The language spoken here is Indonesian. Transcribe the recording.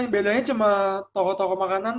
bedanya cuma toko toko makanan